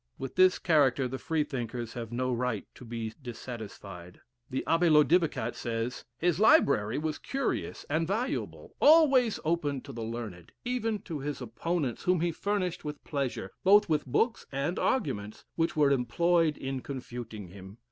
With this character the Freethinkers have no right to be dissatisfied. The Abbe Lodivicat says, "His library was curious and valuable; always open to the learned, even to his opponents, whom he furnished with pleasure, both with books and arguments, which were employed in confuting him."